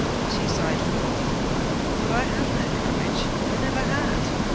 She sighed forth: 'But I have no courage: I never had!'